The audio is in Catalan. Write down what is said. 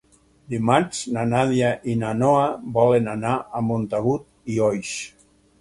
Dimarts na Nàdia i na Noa volen anar a Montagut i Oix.